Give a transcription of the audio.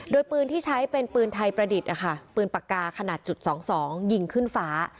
โดยปืนที่ใช้เป็นปืนไทยประดิษฐ์นะคะปืนปากกาขนาดจุด๒๒ยิงขึ้นฟ้า